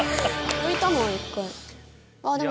浮いたもん一回。